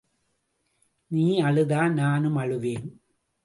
நீ அழுதா, நானும் அழுவேன்.